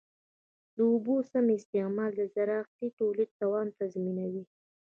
د اوبو سم استعمال د زراعتي تولید دوام تضمینوي.